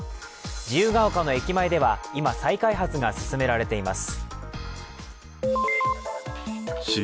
自由が丘の駅前では今再開発が進められています。